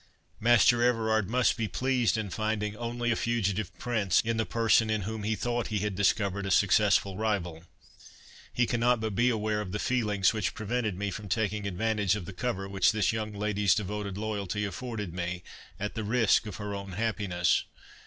Master Everard must be pleased in finding only a fugitive prince in the person in whom he thought he had discovered a successful rival. He cannot but be aware of the feelings which prevented me from taking advantage of the cover which this young lady's devoted loyalty afforded me, at the risk of her own happiness.